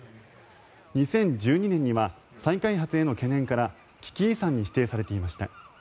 ２０１２年には再開発への懸念から危機遺産に指定されていました。